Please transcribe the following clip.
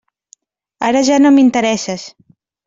Ara ja no m'interesses.